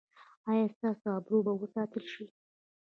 ایا ستاسو ابرو به وساتل شي؟